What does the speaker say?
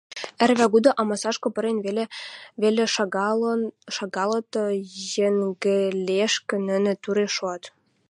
Ӓрвӓгуды амасашкы пырен вел шагалыт, йӹнгӹлешкӹ нӹнӹ туре шоат.